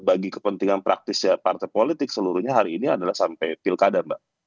bagi kepentingan praktis partai politik seluruhnya hari ini adalah sampai pilkada mbak